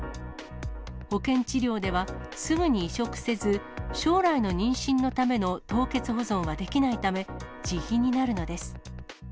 保険治療では、すぐに移植せず、将来の妊娠のための凍結保存はできないため、自費になるのです。